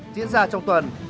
diễn ra trong tuần